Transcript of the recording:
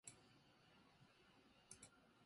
海の向こうにぼんやりと灯りが見える。